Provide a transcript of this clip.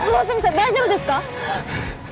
大丈夫ですか？